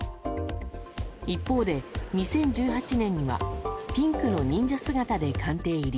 一方で２０１８年にはピンクの忍者姿で官邸入り。